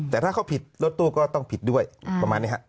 แต่ถ้าเขาผิดรถตู้ก็ต้องผิดด้วยประมาณนี้ครับ